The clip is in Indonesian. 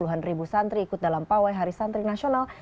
puluhan ribu santri ikut dalam pawai hari santri nasional